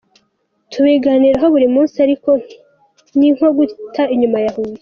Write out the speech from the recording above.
tubiganiraho buri munsi ariko ninko guta Inyuma ya Huye.